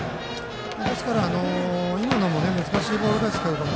ですから、今のも難しいボールですけれども